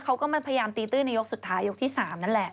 เขาก็มาพยายามตีตื้นในยกสุดท้ายยกที่๓นั่นแหละ